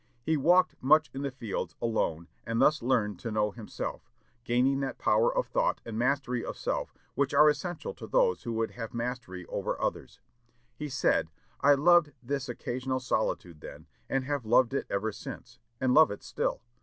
He walked much in the fields, alone, and thus learned to know himself; gaining that power of thought and mastery of self which are essential to those who would have mastery over others. He said, "I loved this occasional solitude then, and have loved it ever since, and love it still.